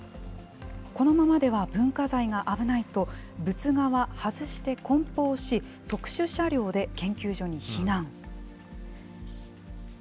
このままでは文化財が危ないと、仏画は外してこん包し、特殊車両で研究所に避難。